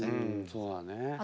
そうだね。